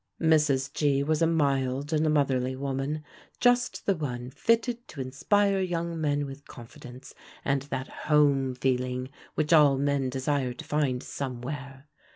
Mrs. G. was a mild and a motherly woman, just the one fitted to inspire young men with confidence and that home feeling which all men desire to find somewhere.